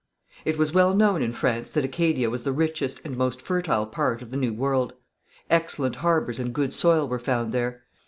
It was well known in France that Acadia was the richest and most fertile part of the New World. Excellent harbours and good soil were found there.